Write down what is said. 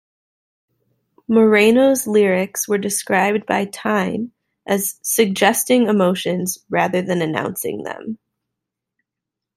Moreno's lyrics were described by "Time" as "suggesting emotions rather than announcing them".